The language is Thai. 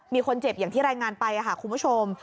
มีคนเจ็บอย่างที่รายงานไปค่ะคุณผู้ชม